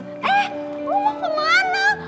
eh lo mau kemana